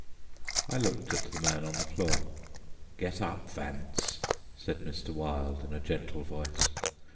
I looked at the man on the floor. "Get up, Vance," said Mr. Wilde in a gentle voice.